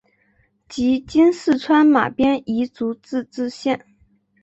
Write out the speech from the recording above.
即今四川马边彝族自治县。